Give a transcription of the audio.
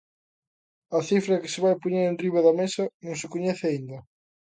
A cifra que se vai poñer enriba da mesa non se coñece aínda.